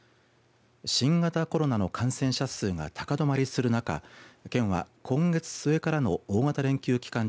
新型コロナの感染者数が高止まりする中県は今月末からの大型連休期間